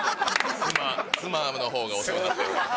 妻のほうがお世話になってる。